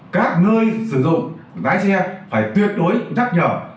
các nơi sử dụng lái xe phải tuyệt đối rắc nhỏ